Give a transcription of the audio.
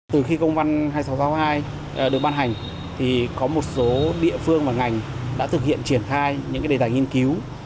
từ khi công văn hai nghìn sáu trăm sáu mươi hai được ban hành thì có một số địa phương và ngành đã thực hiện triển khai những đề tài nghiên cứu